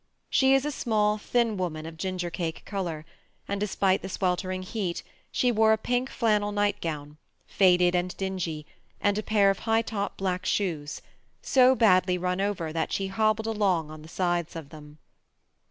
She is a small thin woman of gingercake color and, despite the sweltering heat, she wore a pink flannel nightgown, faded and dingy, and a pair of high top black shoes, so badly run over that she hobbled along on the sides of them.